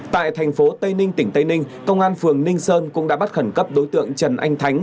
tại thành phố tây ninh tỉnh tây ninh công an phường ninh sơn cũng đã bắt khẩn cấp đối tượng trần anh thắng